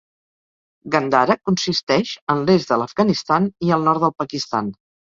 Gandhara consisteix en l'est de l'Afganistan i el nord del Pakistan.